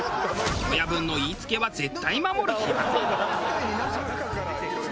親分の言い付けは絶対守る平子。